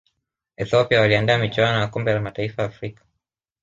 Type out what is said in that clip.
ethiopia waliandaa michuano ya kombe la mataifa afrika